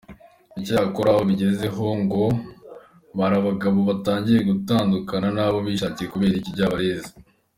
Icyakora aho bigeze, ho ngo hari abagabo batangiye gutandukana n’abo bishakiye kubera Ikiryabarezi.